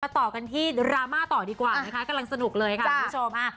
ต่อกันที่ดราม่าต่อดีกว่านะคะกำลังสนุกเลยค่ะคุณผู้ชม